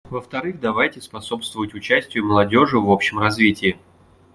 Во-вторых, давайте способствовать участию молодежи в общем развитии.